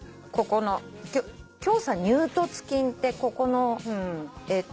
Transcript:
胸鎖乳突筋ってここの。